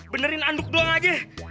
benerin anduk doang aja